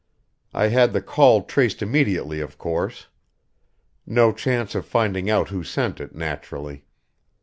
I had the call traced immediately, of course. No chance of finding out who sent it, naturally.